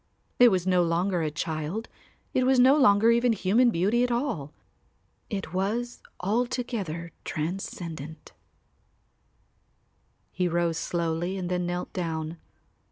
It was no longer a child, it was no longer even human beauty at all. It was altogether transcendent. He rose slowly and then knelt down.